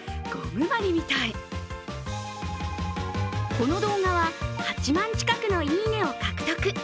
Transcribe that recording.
この動画は８万近くの「いいね！」を獲得。